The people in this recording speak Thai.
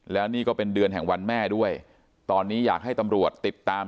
แล้วนี่ก็เป็นเดือนแห่งวันแม่ด้วยตอนนี้อยากให้ตำรวจติดตาม